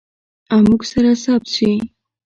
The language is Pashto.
او موږ سره ثبت شي.